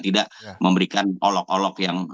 tidak memberikan olok olok yang